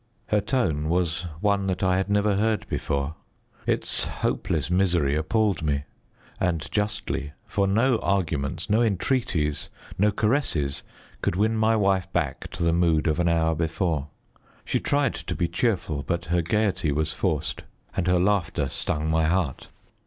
Her tone was one that I had never heard before. Its hopeless misery appalled me. And justly. For no arguments, no entreaties, no caresses, could win my wife back to the mood of an hour before. She tried to be cheerful, but her gaiety was forced, and her laughter stung my heart.